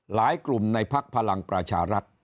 หลายกลุ่มในภักดิ์พลังประชารัฐ